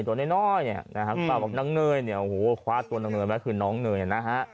น้องเนยน้อยนะฮะบอกว่าน้องเนยเนี่ยโอ้โหคว้าตัวน้องเนยไหมคือน้องเนยนะฮะ